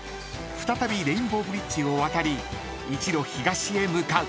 ［再びレインボーブリッジを渡り一路東へ向かう］